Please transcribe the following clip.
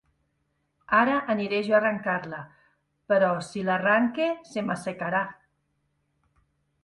Ara aniré jo a arrancar-la... però, si l’arranque, se m'assecarà!